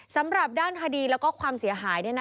สำหรับด้านคดีแล้วก็ความเสียหาย